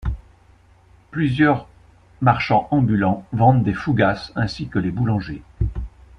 Plusieurs marchands ambulants vendent des fougasses ainsi que les boulangers.